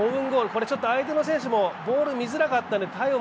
これ、ちょっと相手の選手もボール見づらかったので対応